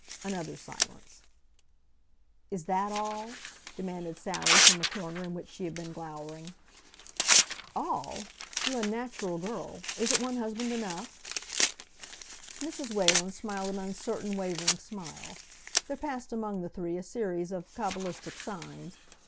Another silence. "Is that all?" demanded Sally from the corner in which she had been glowering. "All! You unnatural girl! Isn't one husband enough?" Mrs. Whalen smiled an uncertain, wavering smile. There passed among the three a series of cabalistic signs.